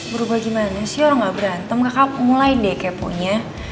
berubah gimana sih orang gak berantem kakak mulai deh keponya